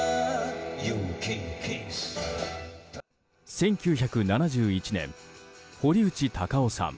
１９７１年、堀内孝雄さん